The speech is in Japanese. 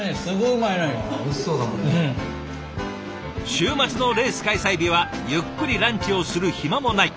週末のレース開催日はゆっくりランチをする暇もない。